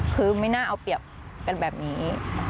คือไม่น่าเอาเปรียบกันแบบนี้